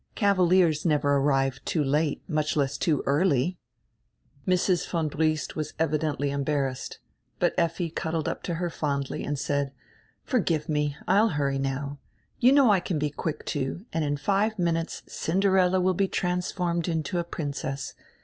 Cavaliers never arrive too late, much less too early." Mrs. von Briest was evidendy embarrassed. But Effi cuddled up to her fondly and said: "Forgive me, I will hurry now. You know I can be quick, too, and in five minutes Cinderella will be transformed into a princess.